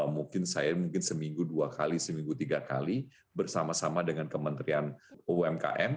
mungkin saya mungkin seminggu dua kali seminggu tiga kali bersama sama dengan kementerian umkm